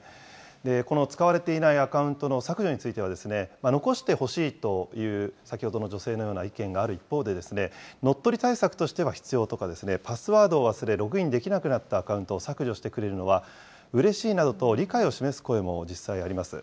この使われていないアカウントの削除については、残してほしいという先ほどの女性のような意見がある一方で、乗っ取り対策としては必要とか、パスワードを忘れログインできなくなったアカウントを削除してくれるのはうれしいなどと、理解を示す声も実際あります。